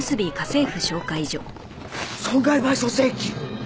損害賠償請求！？